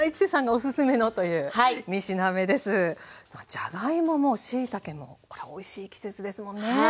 じゃがいももしいたけもこれおいしい季節ですもんね。